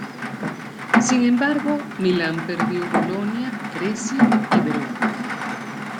Sin embargo Milán perdió Bolonia, Brescia y Verona.